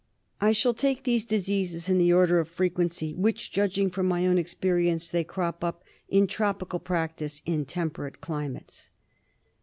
I shall take these diseases in the order of frequency which, judging from my own experience, they crop up in tropical practice in temperate climates.